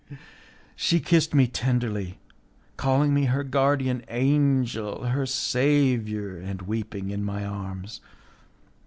She kissed me tenderly, calling me her guardian angel, her saviour, and weeping in my arms.